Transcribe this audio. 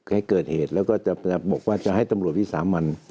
ให้เกิดเหตุแล้วก็จะบอกว่าจะให้ตำรวจวิสามัน